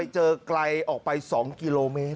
เจอกลัยออกไป๒กิโลเมตร